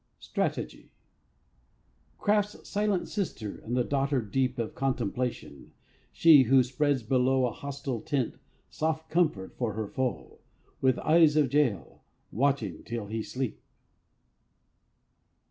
STRATEGY. Craft's silent sister and the daughter deep Of Contemplation, she, who spreads below A hostile tent soft comfort for her foe, With eyes of Jael watching till he sleep.